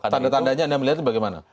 tanda tandanya anda melihatnya bagaimana